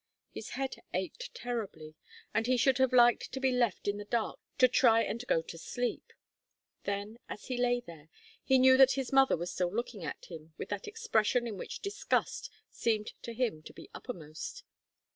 His head ached terribly and he should have liked to be left in the dark to try and go to sleep. Then, as he lay there, he knew that his mother was still looking at him with that expression in which disgust seemed to him to be uppermost.